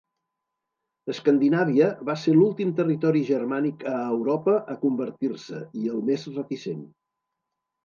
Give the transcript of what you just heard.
Escandinàvia va ser l'últim territori germànic a Europa a convertir-se i el més reticent.